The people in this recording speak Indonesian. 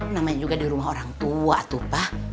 namanya juga di rumah orang tua tuh pak